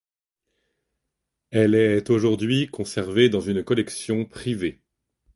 Elle est aujourd'hui conservée dans une collection privée.